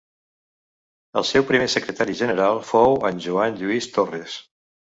El seu primer secretari general fou en Joan Lluís Torres.